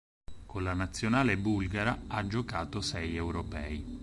Con la Nazionale bulgara ha giocato sei Europei.